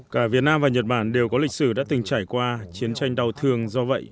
cả việt nam và nhật bản đều có lịch sử đã từng trải qua chiến tranh đau thương do vậy